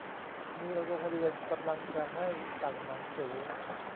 มีโรงเรียนกำลังจะให้สั่งหนังสือ